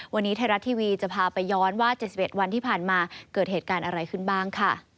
วันนี้ไทยรัฐทีวีจะพาไปย้อนว่า๗๑วันที่ผ่านมาเกิดเหตุการณ์อะไรขึ้นบ้างค่ะ